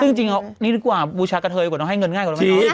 ซึ่งจริงอ๋อนี่ดีกว่าบูชะกะเทยกว่าต้องให้เงินง่ายกว่าไม่ต้อง